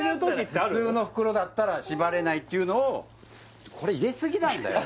普通の袋だったら縛れないっていうのをこれ入れすぎなんだよ